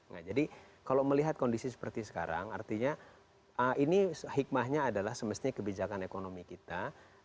nah jadi kalau melihat kondisi seperti sekarang artinya ini hikmahnya adalah semestinya kebijakan ekonomi kita